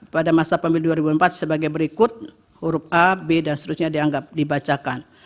pada masa pemilu dua ribu empat sebagai berikut huruf a b dan seterusnya dianggap dibacakan